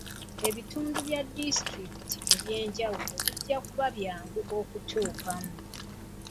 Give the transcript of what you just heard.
Ebitundu bya disitulikiti eby'enjawulo bijja kuba byangu okutuukamu.